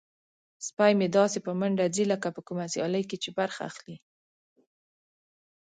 سپی مې داسې په منډه ځي لکه په کومه سیالۍ کې چې برخه اخلي.